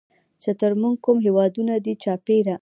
چې تر مونږ کوم هېوادونه دي چاپېره